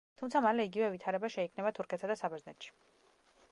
თუმცა, მალე იგივე ვითარება შეიქმნება თურქეთსა და საბერძნეთში.